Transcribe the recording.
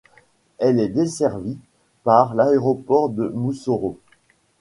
Elle est desservie par l'aéroport de Moussoro.